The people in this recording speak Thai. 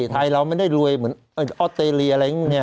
ไทยเราไม่ได้รวยเหมือนออสเตรเลียอะไรพวกนี้